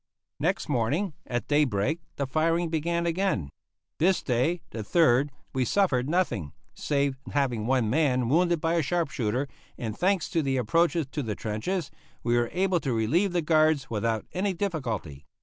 Next morning, at daybreak, the firing began again. This day, the 3rd, we suffered nothing, save having one man wounded by a sharp shooter, and, thanks to the approaches to the trenches, we were able to relieve the guards without any difficulty.